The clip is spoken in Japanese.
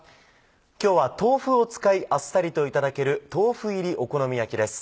今日は豆腐を使いあっさりといただける「豆腐入りお好み焼き」です。